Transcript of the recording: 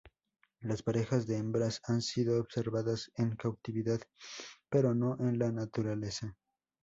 Las parejas de hembras han sido observadas en cautividad, pero no en la naturaleza.